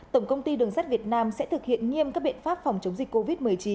tổng công ty đường sắt việt nam sẽ thực hiện nghiêm các biện pháp phòng chống dịch covid một mươi chín